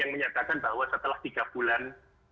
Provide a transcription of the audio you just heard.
yang menyatakan bahwa setelah tiga bulan